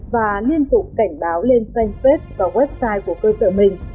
và liên tục cảnh báo lên fanpage và website của cơ sở mình